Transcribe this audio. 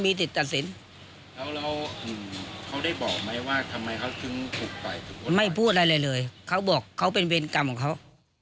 ไม่พูดอะไรเลยเค้าบอกเค้าเป็นเวรกรรมของเค้า